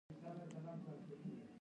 هغه وویل: جګړه په بري پای ته نه رسېږي.